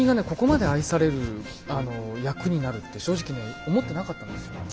ここまで愛される役になるって正直ね思ってなかったんですよ。